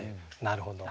なるほど。